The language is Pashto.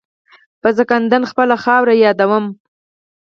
په ځانکدن خپله خاوره یادوي.